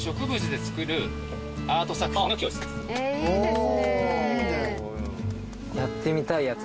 いいですね。